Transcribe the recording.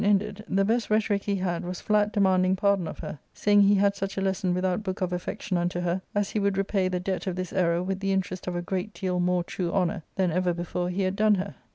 419 ended, the best rhetoric he had was flat demanding pardon of her, saying he had such a lesson without book of affection unto her as he would repay the debt of this error with the interest oi a great deal more true honour than ever before he had done her.